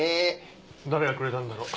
誰がくれたんだろう？